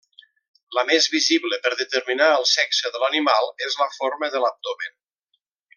La més visible per determinar el sexe de l'animal és la forma de l'abdomen.